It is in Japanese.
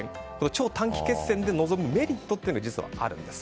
超短期決戦で臨むメリットが実はあるんです。